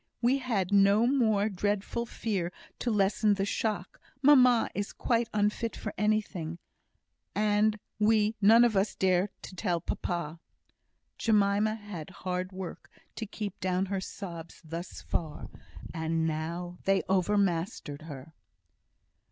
We had had no more dreadful fear to lessen the shock; mamma is quite unfit for anything, and we none of us dare to tell papa." Jemima had hard work to keep down her sobs thus far, and now they overmastered her.